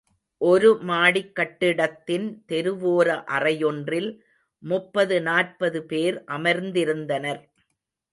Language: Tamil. ஒரு மாடிக் கட்டிடத்தின் தெருவோர அறையொன்றில், முப்பது நாற்பது பேர் அமர்ந்திருந்தனர்.